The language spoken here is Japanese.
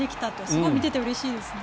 すごく見ていて、うれしいですね。